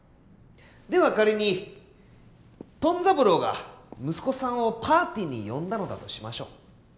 では仮にトン三郎が息子さんをパーティーに呼んだのだとしましょう。